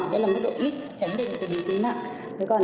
đó là mức độ ít chẳng định từ biến chứng